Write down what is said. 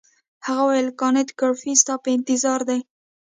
هغه وویل کانت ګریفي ستا په انتظار دی.